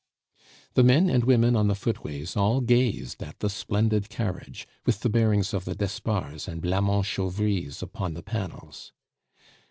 The men and women on the footways all gazed at the splendid carriage, with the bearings of the d'Espards and Blamont Chauvrys upon the panels.